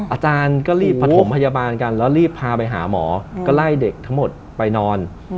อาจารย์ก็รีบประถมพยาบาลกันแล้วรีบพาไปหาหมอก็ไล่เด็กทั้งหมดไปนอน